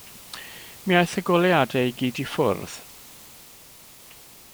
Mi aeth y goleuadau i gyd i ffwrdd.